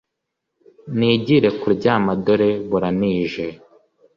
nigire kuryama dore buranije